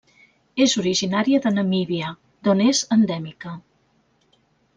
És originària de Namíbia d'on és endèmica.